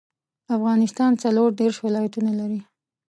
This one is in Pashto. افغانستان څلوردیرش ولایاتونه لري